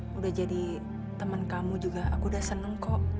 sudah jadi teman kamu juga aku sudah senang kok